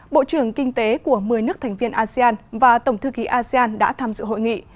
bộ trưởng kinh tế của một mươi nước thành viên asean và tổng thư ký asean đã tham dự hội nghị